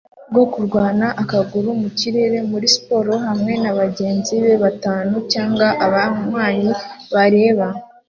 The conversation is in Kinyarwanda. bwo kurwana akaguru mu kirere muri siporo hamwe na bagenzi be batanu cyangwa abanywanyi bareba